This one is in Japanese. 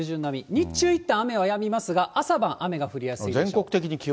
日中いったん雨はやみますが、朝晩、雨が降りやすいでしょう。